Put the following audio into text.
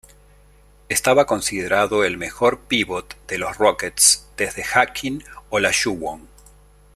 Estaba considerado el mejor pívot de los Rockets desde Hakeem Olajuwon.